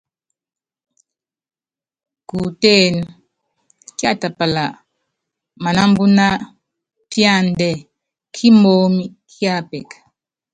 Kutéen, kiatapala manámbúná píandɛ́ kímoomi kíapɛk.